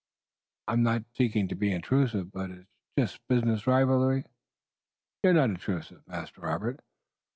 "I'm not seeking to be intrusive, but is it just business rivalry?" "You are not intrusive, Master Robert.